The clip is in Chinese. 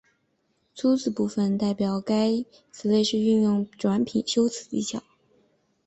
粗体字部分代表该词类是运用转品修辞技巧。